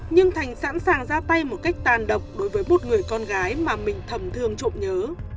nhưng thành sẵn sàng ra tay một cách tàn độc đối với một người con gái mà mình thầm thương trộm nhớ